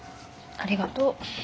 ありがとう。